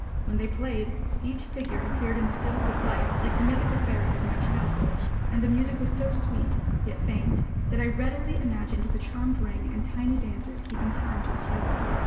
When they played, each figure appeared instinct with life, like the mythical fairies of my childhood; and the music was so sweet, yet faint, that I readily imagined the charmed ring and tiny dancers keeping time to its rhythm.